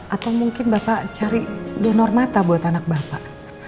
atau mungkin bapak cari donor mata buat anak bapak